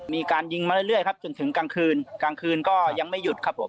มีการยิงมาเรื่อยครับจนถึงกลางคืนกลางคืนก็ยังไม่หยุดครับผม